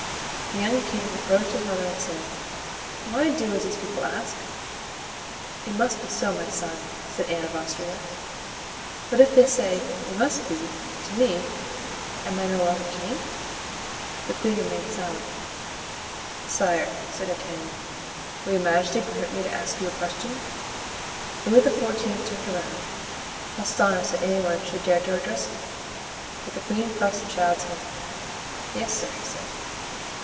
The young king approached his mother and said, "Why do as these people ask?" "It must be so, my son," said Anne of Austria. "But if they say, 'it must be' to me, am I no longer king?" The queen remained silent. "Sire," said D'Artagnan, "will your majesty permit me to ask you a question?" Louis XIV. turned around, astonished that any one should dare to address him. But the queen pressed the child's hand. "Yes, sir." he said.